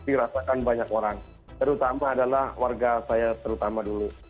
dirasakan banyak orang terutama adalah warga saya terutama dulu